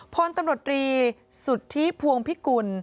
พลตำรวจรีสุทธิพวงพิกุล